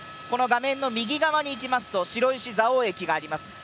この画面の右側に行きますと白石蔵王駅があります。